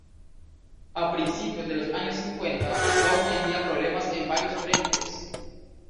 A principios de los años cincuenta Waugh tenía problemas en varios frentes.